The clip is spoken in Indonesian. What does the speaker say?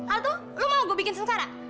altu lo mau gue bikin sengkara